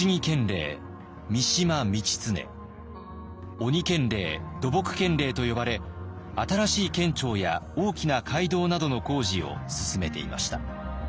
「鬼県令」「土木県令」と呼ばれ新しい県庁や大きな街道などの工事を進めていました。